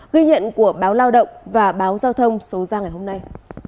ghi nhận của báo lao động và báo giao thông số ra ngày hôm nay